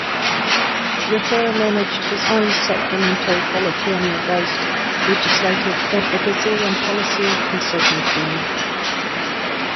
Ricker managed his own Sacramento, California based legislative advocacy and policy consulting firm.